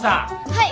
はい。